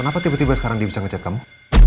kenapa tiba tiba sekarang dia bisa ngecet kamu